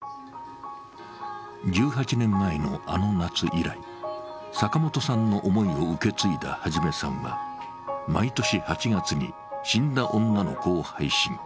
１８年前のあの夏以来、坂本さんの思いを受け継いだ元さんは毎年８月に「死んだ女の子」を配信。